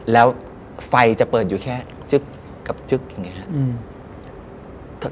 แล้วไฟจะเปิดอยู่แค่จึ๊กกับจึ๊กอย่างนี้ครับ